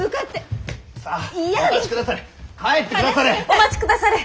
お待ちくだされ！